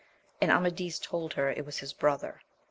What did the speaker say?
and Amadis told her it was his brother.